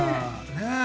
ねえ！